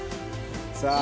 さあ。